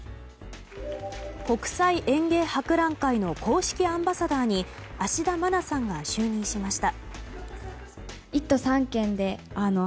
国際園芸博覧会の公式アンバサダーに芦田愛菜さんが就任しました。